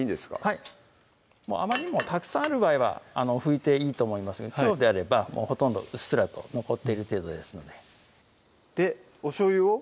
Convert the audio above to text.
はいあまりにもたくさんある場合は拭いていいと思いますがきょうであればうっすらと残っている程度ですのででおしょうゆを？